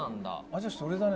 じゃあそれだね」